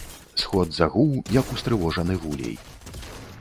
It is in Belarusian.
Сход загуў, як устрывожаны вулей.